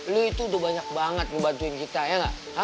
lo itu udah banyak banget ngebantuin kita ya gak